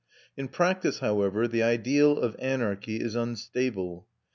In practice, however, the ideal of anarchy is unstable.